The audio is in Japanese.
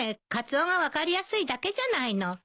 カツオが分かりやすいだけじゃないの。